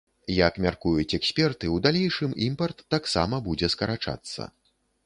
Як мяркуюць эксперты, у далейшым імпарт таксама будзе скарачацца.